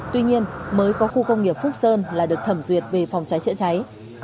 tuy nhiên mới có khu công nghiệp phúc sơn là được thẩm duyệt về phòng cháy chữa cháy